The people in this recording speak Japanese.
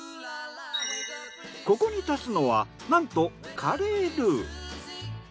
ここに足すのはなんとカレールー。